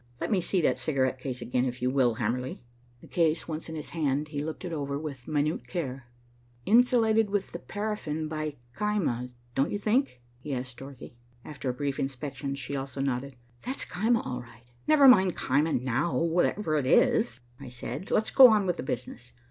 "Let me see that cigarette case again, if you will, Hamerly?" The case once in his hand, he looked it over with minute care. "Insulated within the paraffin by caema, don't you think?" he asked Dorothy. After a brief inspection she also nodded. "That's caema, all right." "Never mind caema, now, whatever it is," I said. "Let's go on with the business.